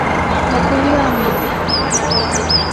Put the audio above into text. Но Поллианна!..